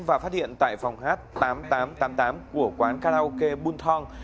và phát hiện tại phòng h tám nghìn tám trăm tám mươi tám của quán karaoke bul thong